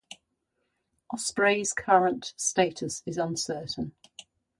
Osprey's current status is uncertain.